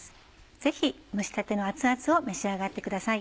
ぜひ蒸したての熱々を召し上がってください。